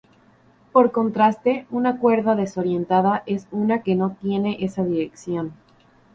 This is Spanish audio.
Por contraste, una cuerda desorientada es una que no tiene esa dirección.